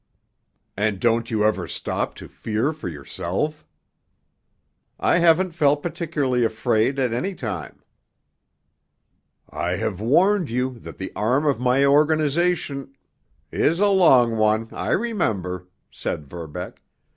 "And don't you ever stop to fear for yourself?" "I haven't felt particularly afraid at any time." "I have warned you that the arm of my organization——" "Is a long one—I remember," said Verbeck.